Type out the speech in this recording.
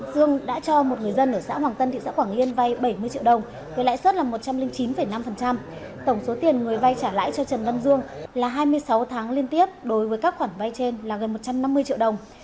dương đã cho một người dân ở xã hoàng tân thị xã quảng yên vay bảy mươi triệu đồng với lãi suất là một trăm linh chín năm tổng số tiền người vay trả lãi cho trần văn dương là hai mươi sáu tháng liên tiếp đối với các khoản vay trên là gần một trăm năm mươi triệu đồng